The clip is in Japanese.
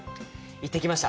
行ってきました。